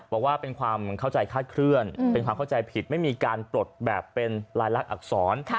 บอกว่าเป็นความเข้าใจคาดเคลื่อนเป็นความเข้าใจผิดไม่มีการปลดแบบเป็นลายลักษณอักษร